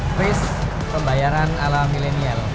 kris pembayaran ala milenial